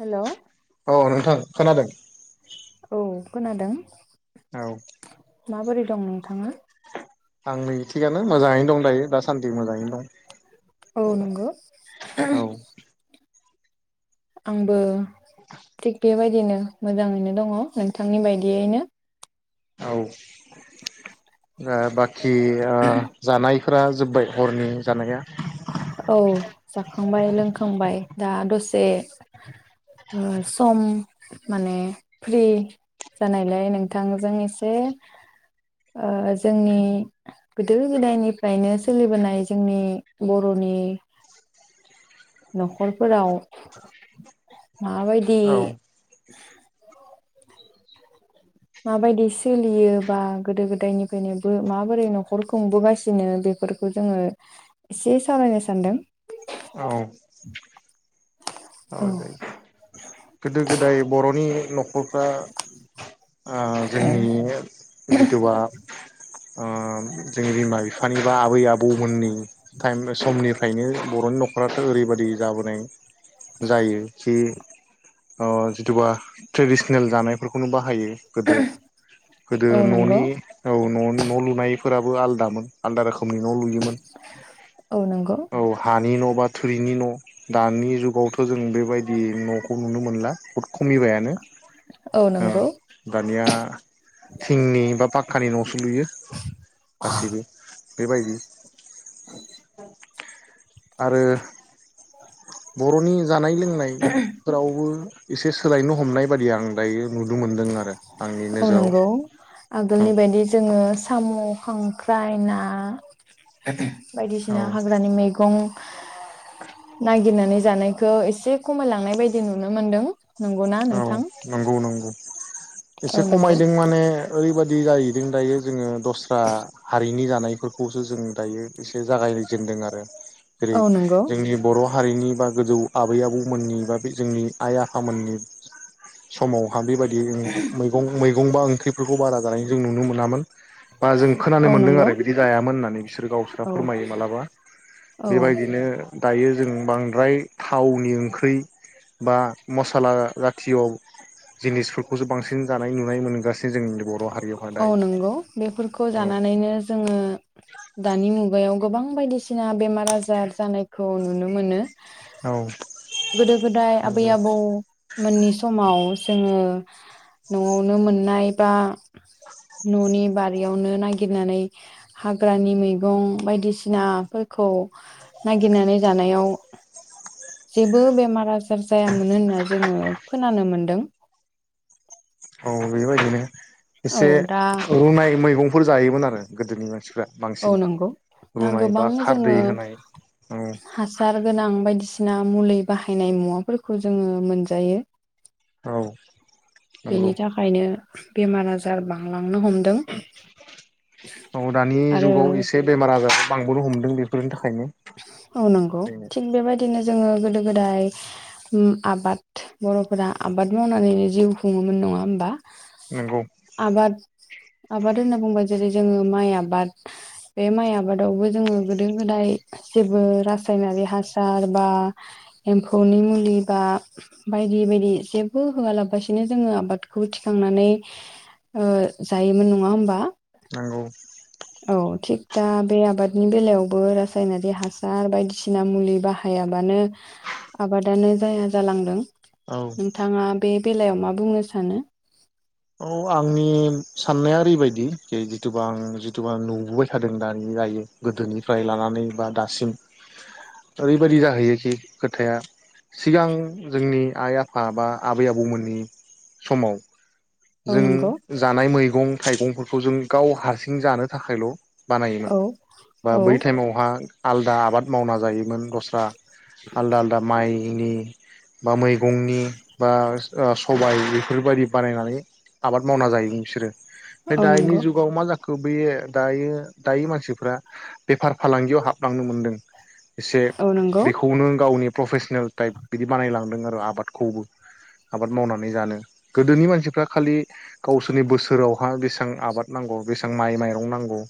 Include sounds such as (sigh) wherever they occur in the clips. हेल' औ नोंथां खोनादों औ खोनादों औ माबोरै दं नोंथाङा आं नै थिगानो मोजाङैनो दं दायो दास सान्दि मोजाङैनो दं औ नंगौ औ आंबो थिख बेबाय बिदिनो मोजाङैनो दङ नोंथांनि बायदियैनो औ द बाखि खि जानाय फोर जोब्बाय हरनि जानाया औ जाखांबाय लोंखांबाय दा दसे सम माने फ्रि जानायलाय नोंथांजों एसे जोंनि गोदो गोदायनिफ्रायनो सोलिबोनाय जोंनि बर' रनि न'खरफोराव माबायदि औ (inaudible) माबायदि सोलियो बा गोदो गोदायनिफ्रायनो माबोरै न'खर खुंबोगासिनो बेफोरखौ जोङो एसे सावरायनो सानदों। औ औ जायो गोदो गोदाय बर'नि न'खर। (inaudible) जोंनि बिमा बिफानि बा आबै आबौमोननि टाइम समनिफ्रायनो बर'नि न'खराथ' ओरै बायदि जाबोनाय। जायो जि। जिथुबा ट्रेडिसनेल जानायफोरखौनो बाहायो। गोदो गोदो औ न'नि नंगौ औ न' न' लुनाय। फोराबो आलदामोन आलदा रोखोमनि औ लुयोमोन औ नंगौ औ हानि न' बा थोरिनि न' दानि जुगाव थ' जों बेबायदि न'खौ नुनो मोनला। बुहुद खमिबायानो औ ओं नंगौ दानिया थिंनि बा फा खानि न' सो लुयो गासैबो। बेबायदि औ। आरो बर'नि जानाय लोंनायफोरावबो एसे सोलायनो हमनाय बादि आं (inaudible) मोनदों आरो आंनि औ नोजोराव। नंगौ आगोलनि बायदि जोङो साम', खांख्राय, ना औ बायदिसिना हाग्रानि मेगं नायगिरनानै जानायखौ एसे खमायलांनाय बायदि नुनो मोन्दों। नोंगौना औ नोंथां? नंगौ (inaudible) औ एसे नंगौ खमायदों माने ओरै बायदि जाहैदों दायो जोङो दस्रा हारिनि जानायफोरखौसो जों दायो एसे जागायजेनदों आरो। जेरै औ नंगौ जोंनि बर' हारिनि बा गोजौ आबै आबौमोननि बा बे जोंनि आय आफामोननि समाव बेबायदि मैगं मै गंबा ओंख्रिफोरखौ बारा जानाय जों नुनो मोनामोन। बा जों खोनानो औ मोनदों नंगौ आरो बिदि जायामोन होननानै बिसोर गावसोरा औ फोरमायो मालाबा। औ बेबायदिनो दायो जों बांद्राय थावनि ओंख्रि बा मसाला जाथिय' जिनिसफोरखौसो बांसिन जानाय नुनाय मोनगासि औ नोंगौ बेफोरखौ जानानैनो जोङो दानि मुगायाव गोबां बायदिसिना बेमार आजार जानाय खौ नुनो मोनो। औ गोदो गोदाय आबै आबौ मोननि समाव जोङो न'आवनो मोननाय बा न'नि बा रियावनो नागिरनानै हाग्रानि मैगं बायदिसिनाफोरखौ नागिरनानै जानायाव जेबो बेमारा जार जायामोन होनना जोङो खोनानो मोनदों। औ बेबायदिनो औ एसे दा रुनाय मैगं फोर जायोमोन आरो गोदोनि मानसिफ्रा औ बांसिन नंगौ दा रुनाय गोबां बा खारदै जोङो होनाय औ हासार गोनां बायदिसि ना मुलि बाहायनाय मुवाफोरखौ जोङो मोनजायो। औ नंगौ बेनि थाखायनो बेमार आजार बांलां औ दानि आरो जुगाव एसे बेमार आजार बांबोनो हम दों बेफोर था औ नंगौ थिग बेबायदिनो जोङो गोदो गोदाय आबाद बर'फोरा आबाद मावनानैनो जिउ खुङोमोन नङा होमबा? नोंगौ आबाद आबाद होनना बुंबा जेरै जोङो माइ आबाद बे माइ आबादावबो जोङो गोदो गोदाय जेबो रासायनारि हासार बा एम्फौनि मुलि बा बायदि बायदि जेबो होआलाबासिनो जोङो आबादखौ थिखांनानै ओ जायोमोन नङा होमबा? नंगौ औ थिग दा बे आबादनि बेलायावबो रासायनारि हासार बायदिसिना मुलि बाहायाबानो आबादानो जाया जालांदों। औ नोंथाङा बे बेलायाव मा बुंनो सानो? औ आंनि साननाया ओरैबायदि जि जिथुबा आं जिथुबा नुबोबाय थादों दानि जायो गोदोनिफ्राय लानानै बा दासिम ओरैबायदि जाहैयोखि खोथाया सिगां जोंनि आइ आफा बा आबै आबौमोननि समाव औ नंगौ जों जानाय मैगं थाइगंफो खौ जों गाव हारसिं जानो थाखायल' बानायोमोन औ बा औ बै टाइमावहा आलदा आबाद मावना जायोमोन दस्रा आलदा आलदा माइ जोंनि बा मैगंनि बा आस सबाइ बेफोरबायदि बानायनानै आबाद मावना जायोमोन बिसोरो ओमफाय औ दानि नंगौ जुगाव मा जाख खौ बे दायो दायो मानसिफ्रा बेफार फालांगियाव हाबलांनो मोनदों इसे औ नंगौ बेखौनो गावनि प्रफेसनेल टाइप बिदि बानायलांदों आरो आबादखौबो आबाद मावनानै जानो गोदोनि मानसिफ्रा खालि गावसोरनि बोसोरावहा बेसां आबाद नांगौ बेसां माइ माइरं नांगौ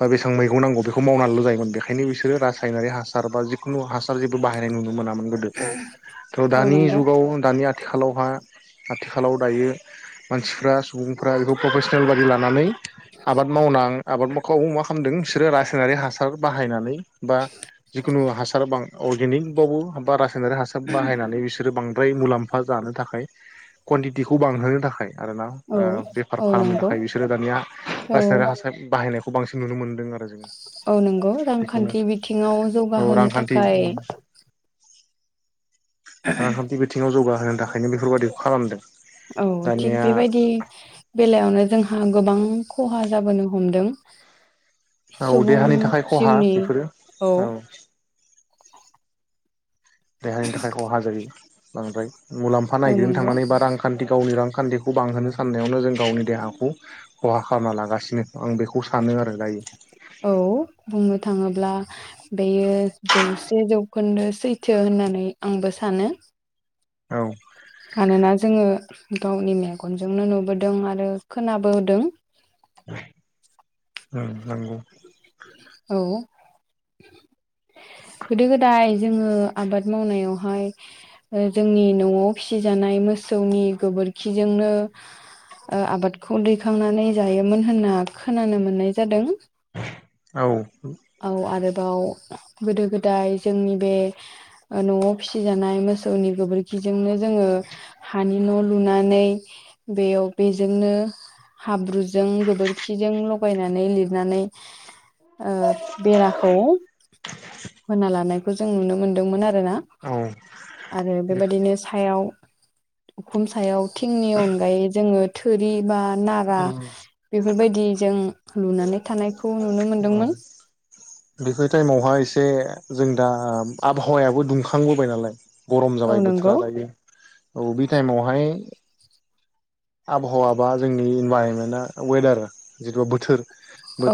बा बेसेबां मैगं नांगौ बेखौ मावनानैल' जायोमोन बेखायनो बिसोरो रासायनारि हासार बा जिखुनु हासार जेबो बाहायनाय नुनो मोना मोन गोदो थ' औ दानि नंगौ जुगाव दानि आ थिखालावहा आथिखालाव दायो मानसिफ्रा सुबुंफ्रा बेखौ प्रफेसनेल बादि लानानै आबाद मावनां आबाद मोखौ मा खामदों बिसोरो रासायनारि हासा सार बाहायनानै बा जिखुनु हासार बां अर्गेनिक बाबु बारा सायनारि हासाद बाहायनानै बिसोर बां द्राय मुलाम्फा जानो थाखाय कुवानटिटिखौ बांहोनो थाखाय आरो ना औ ओ बेफार औ खालामनो नंगौ थाखाय बिसोरो दानिया औ रासायनारि हासार बाहायनाय खौ बांसिन नुनो मोन औ नंगौ रांखान्थि बिथिङाव औ जौगाहोनो रांखान्थि थाखाय उम रांखान्थि बिथिङाव जौगा होनो थाखायनो बेफोरबादिखौ खालामदों औ थिग दानिया बेबायदि बेलायावनो जों हा गोबां खहा जाबोनो हमदों औ सुबुं देहानि थाखाय खहा जिउनि बेफोरो औ देहानि थाखाय खहा जायो। बांद्राय मुलाम्फा औ नागिरनो नंगौ थांनानै बा रांखान्थि गावनि रां खान्थिखौ बांहोनो साननायावनो जों गावनि देहाखौ खहा खालामना लागासिनो आं बेखौ सानो आरो दायो औ बुंनो थाङोब्ला बेयो जौसे जौखोन्दो सैथो होननानै आंबो सानो। औ मानोना जोङो गावनि मेगनजोंनो नुबोदों आरो खोनाबोदों ओं नंगौ औ गोदो गोदाय जोङो आबाद मावनायावहाय जोंनि न'आव फिसिजानाय मोसौनि गोबोरखिजोंनो ओ आबादखौ दैखांनानै जायोमोन होनना खोनानो मोननाय जादों औ औ आरो बाव गोदो गोदाय जोंनि बे ओ न'आव फिसि जानाय मोसौनि गोबोरखि जोंनो जोङो हानि न' लुनानै बेयाव बेजोंनो हाब्रुजों गोबोरखिजों लगायनानै लिरनानै ओ बेराखौ होना ला नायखौ जों नुनो मोनदोंमोन आरोना औ आरो बेबायदिनो सायाव उखुम सायाव थिंनि अनगायै जोङो थोरि बा नारा उम बेफोरबायदि जों लुनानै थानायखौ नुनो औ मोनदोंमोन। बेफोर टाइमावहाय एसे जों दा आबहावायाबो दुंखांबोबाय नालाय गरम औ जाबाय बोथोरा नंगौ दायो औ बे टाइमावहाय आबहावा बा जोंनि इनभाइरमेन्टआ वेदार जिथु बोथोर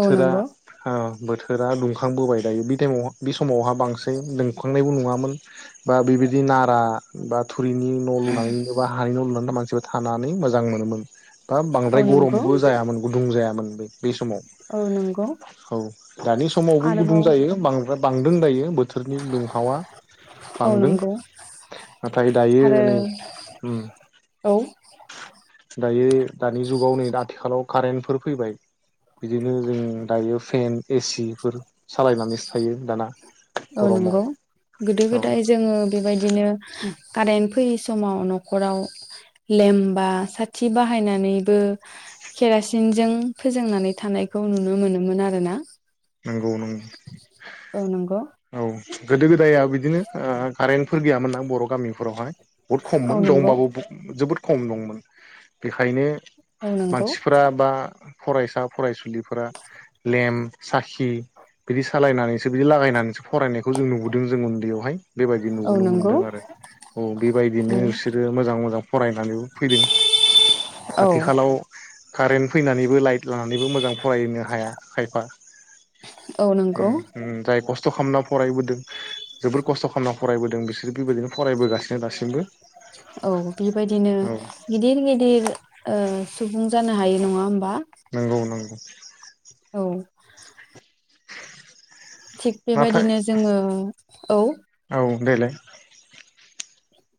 औ नंगौ अ बोथोरा दुंखांबोबाय दायो बेटाइमाव बे समावहा बांसिन दुंखांनायबो नङामोन बा बेबायदि नारा बा थु थुरिनि न' लुनानै एबा हानि न' लुनानै मानसिफोरा थानानै मोजां मोनोमोन। बा औ बांद्राय नंगौ गरमबो जायामोन। गदुं जायामोन बो बे औ नंगौ समाव औ दानि समावबो गुदुं आरोबाव जायो बां बांदों दायो बोथोरनि दुंहावा औ बांदों नंगौ नाथाय दायो आरो नै उम औ दायो दानि जुगाव नै दा आथिखालाव कारेन्टफोर फैबाय बिदिनो जों दायो फेन एसिफोर सालायनानैसो थायो दाना औ गरमाव नंगौ गोदो औ गोदाय जोङो बेबायदिनो कारेन्ट फैयि समाव न'खराव लेम बा साथि बाहायनानैबो खेरासि सिनजों फोजोंनानै थानायखौ नुनो मोनोमोन आरो ना नंगौ नंगौ नंगौ औ गोदो गोदाया बिदिनो ओ कारेन्टफोर गैयामोन नां बर' गामिफोरावहाय बहुत औ खममोन दं नंगौ होमबबो जोबोद खम दंमोन बेखायनो औ नंगौ मानसिफोरा बा फरायसा फरायसुलिफोरा लेम्प साखि बिदि सालायनानैसो बिदि लागायनानैसो फरायनायखौ जों नुबोदों जों उन्दैयावहाय बेबायदि औ नुबोनो नंगौ मोनदों आरो औ बेबायदिनो बिसोरो मोजां मोजां फरायनानैबो फैदों औ आथिखालाव कारेन्ट फैनानैबो लाइट लानानैबो मोजां फरायनो हाया खायफा औ उम नंगौ उम जाय जाय खस्थ फराय फरायबोदों जोबोर खस्थ' खालामना फरायबोदों बिसोरो बेबायदिनो फरायबोगासिनो दासिमबो औ बेबायदिनो औ गिदिर गिदिर ओ सुबुं जानो हाय नङा होमबा नंगौ नंगौ (inaudible) औ (inaudible) थिग नाथाय बेबायदिनो जोङो औ बेलाय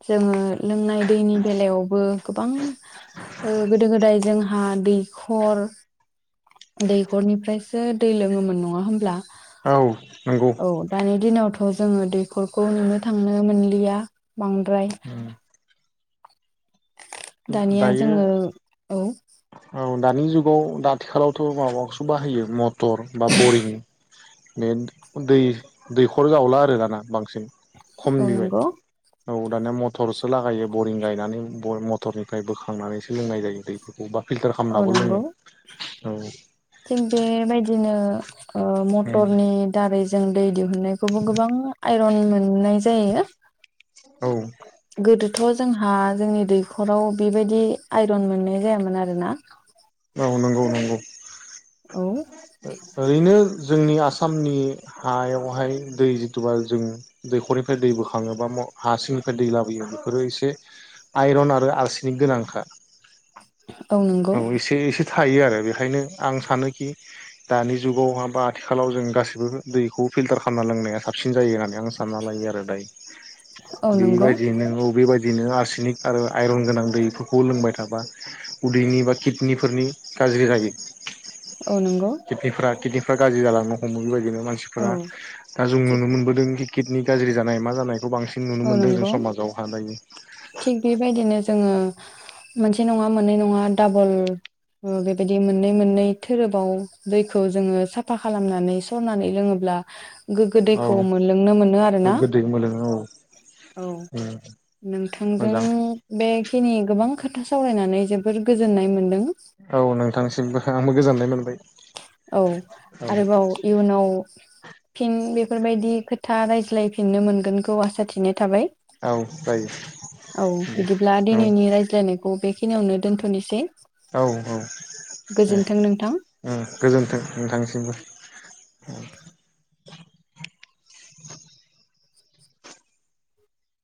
जोङो लोंनाय दैनि बेलायावबो गोबां गोदो गोदाय जों हा दैखर दैखरनिफ्रायसो दै लोङोमोन नङा होनोमब्ला औ नंगौ औ दानि दिनाव - अ जोङो फोरखौ नुनो थांनो मोन इया बांद्राय दानिया दायो जोङो औ औ दानि जुगाव दा आथिखालावथ' माखौसो बाहायो मटर बा बरिं बे दै दैखर जावला आरो दाना बांसिन। खम औ बिबाय नंगौ औ दानिया म थरसो लागायो बरिं गायनानै। मथरनिफ्राय बोखांनानै सोलोंनाय जायो दैफोरखौ बा फिल्टार औ खालामनाबो नांगौ लोङो औ थिग बेबायदिनो (inaudible) मथरनि दारै जों दै दिहुननायखौबो गोबां आइरन मोननाय जायो औ गोदोथ' जोंहा जोंनि दैखराव बेबायदि आइरन मोननाय जायामोन आरोना औ नंगौ नंगौ। औ। ओरैनो जोंनि आसामनि हायावहाय दै जिथुबा जों दैखरनिफ्राय दै बोखाङो बा हा सिंनिफ्राय दै लाबोयो बेफोरो एसे आइरन आरो आलसिनि गोनांखा औ नंगौ बे एसे थायो आरो बेखायनो आं सानोखि दानि जुगावहा बा आथिखालाव जों गाससिबो दैखौ फिल्टार खालामना लोंनाया साबसिन जायो आं सानना लायो आरो दाय औ नंगौ बेबायदिनो अबेबायदि बिदिनो आरसिनिक आरो आइरन गोनां दैफोरखौ लोंबाय थाबा उदैनि बा किडनिफोरनि गाज्रि जायो औ नंगौ (inaudible) गिदिर बिफ्रा गाज्रि जालांनो हमो बेबायदिनो औ मानसिफोरा दा जों थिग नुनो मोनबोदों किदनि गाज्रि जानाय मा जानाय बांसिन नुनो औ मोन्दों जों नंगौ समाजाव हानाय - - थिग बेबायदिनो जोङो मोनसे नङा मोननै नङा डाबल बेबायदि मोननै मोननै धोरोबाव दैखौ जोङो साफा खालामनानै सरनानै लोङोब्ला गोग्गो दैखौ औ मोनलोंनो मोनो आरो ना। गोग्गो दै मोलोङो औ औ उम नोंथांजों मोजां बे खिनि गोबां खोथा सावरायनानै जोबोर गोजोननाय मोन्दों। औ नोंथांसिमबो आंबो गोजोननाय मोन औ आरोबाव इयुनाव फिन बेफोरबायदि खोथा रायज्लायफिननो मोनगोनखौ आसा थिनाय थाबाय औ जायो औ दे बिदिब्ला औ दिनैनि रायज्लायनायखौ बे खिनियावनो दोन्थ'नोसै औ औ नोंथां उम गोजोनथों नोंथांनिसिमबो उम